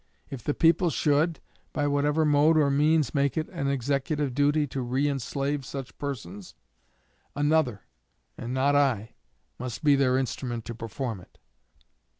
If the people should, by whatever mode or means, make it an executive duty to re enslave such persons, another, and not I, must be their instrument to perform it.